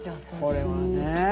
これはね。